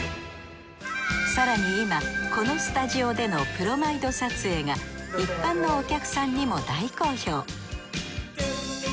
更に今このスタジオでのプロマイド撮影が一般のお客さんにも大好評。